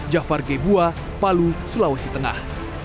jafar g bua palu sulawesi tengah